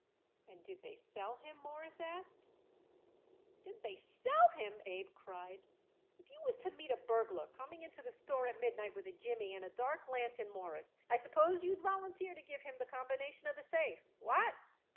"And did they sell him?" Morris asked. "Did they sell him?" Abe cried. "If you was to meet a burglar coming into the store at midnight with a jimmy and a dark lantern, Mawruss, I suppose you'd volunteer to give him the combination of the safe. What?